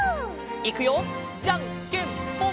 いくよじゃんけんぽん！